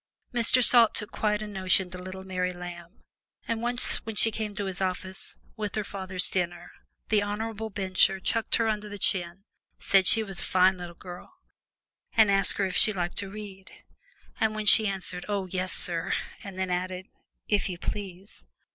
Mr. Salt took quite a notion to little Mary Lamb, and once when she came to his office with her father's dinner, the honorable Bencher chucked her under the chin, said she was a fine little girl, and asked her if she liked to read. And when she answered, "Oh, yes, sir!" and then added, "If you please!"